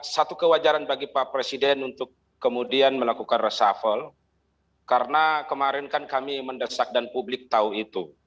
satu kewajaran bagi pak presiden untuk kemudian melakukan reshuffle karena kemarin kan kami mendesak dan publik tahu itu